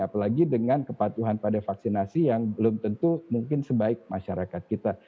apalagi dengan kepatuhan pada vaksinasi yang belum tentu mungkin sebaik masyarakat kita